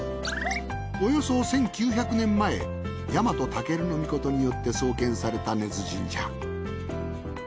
およそ１９００年前日本武尊によって創建された根津神社。